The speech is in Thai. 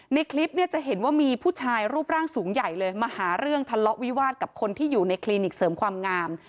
ในคลิปเนี่ยจะเห็นว่ามีผู้ชายรูปร่างสูงใหญ่เลยมาหาเรื่องทะเลาะวิวาสกับคนที่อยู่ในคลินิกเสริมความงาม